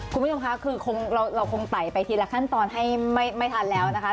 คุณผู้ชมคะคือเราคงไต่ไปทีละขั้นตอนให้ไม่ทันแล้วนะคะ